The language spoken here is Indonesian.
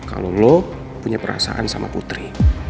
kalau lo punya perasaan sama putri